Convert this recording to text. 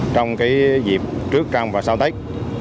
trong dịp trước trang và sau tết